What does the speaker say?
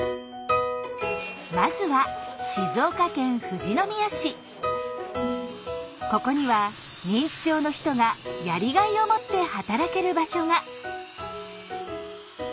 まずはここには認知症の人がやりがいを持って働ける場所が。